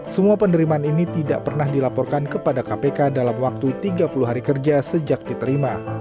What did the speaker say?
semua penerimaan ini tidak pernah dilaporkan kepada kpk dalam waktu tiga puluh hari kerja sejak diterima